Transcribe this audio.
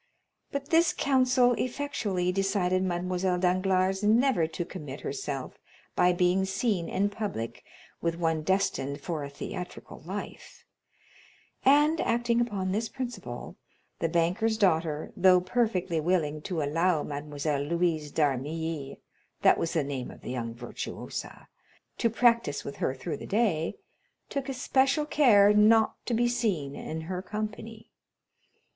But this counsel effectually decided Mademoiselle Danglars never to commit herself by being seen in public with one destined for a theatrical life; and acting upon this principle, the banker's daughter, though perfectly willing to allow Mademoiselle Louise d'Armilly (that was the name of the young virtuosa) to practice with her through the day, took especial care not to be seen in her company.